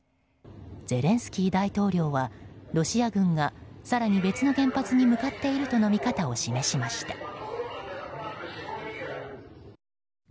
ゼレンスキー大統領はロシア軍が更に別の原発に向かっているとの見方を示しました。